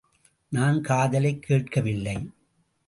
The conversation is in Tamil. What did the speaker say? நான் காதலைக் கேட்கவில்லை.